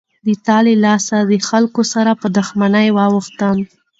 د تا له لاسه دخلکو سره په دښمنۍ واوښتم.